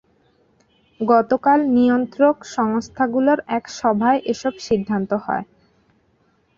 গতকাল নিয়ন্ত্রক সংস্থাগুলোর এক সভায় এসব সিদ্ধান্ত হয়।